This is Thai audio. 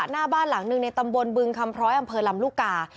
หน้าบ้านหลังหนึ่งในตำบลบึงคำพร้อยอำเภอลำลูกกา